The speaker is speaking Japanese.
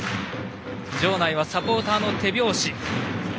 場内のサポーターの手拍子。